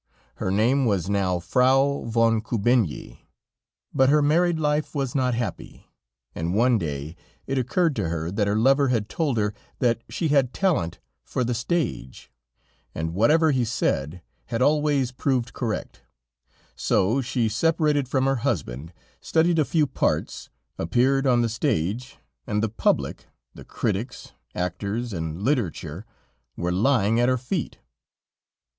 Her name was now Frau von Kubinyi, but her married life was not happy; and one day it occurred to her that her lover had told her that she had talent for the stage, and whatever he said, had always proved correct, so she separated from her husband, studied a few parts, appeared on the stage, and the public, the critics, actors and literature were lying at her feet.